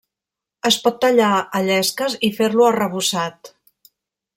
Es pot tallar a llesques i fer-lo arrebossat.